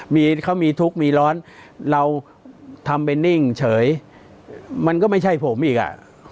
มีเขามีทุกข์มีร้อนเราทำไปนิ่งเฉยมันก็ไม่ใช่ผมอีกอ่ะ